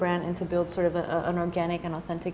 dan membangun bisnis yang organik dan autentik